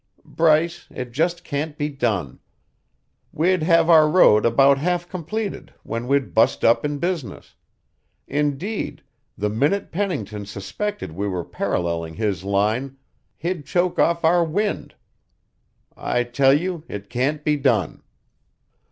Bryce, it just can't be done. We'd have our road about half completed when we'd bust up in business; indeed, the minute Pennington suspected we were paralleling his line, he'd choke off our wind. I tell you it can't be done."